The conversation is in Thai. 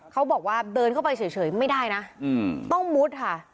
เขาบอกว่าเดินเข้าไปเฉยไม่ได้นะต้องมุดค่ะ